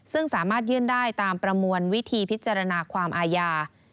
ซึ่งสามารถยื่นได้ตามประมวลวิธีพิจารณาความอาญา